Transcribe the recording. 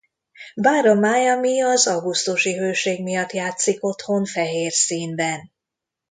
Bár a Miami az augusztusi hőség miatt játszik otthon fehér színben.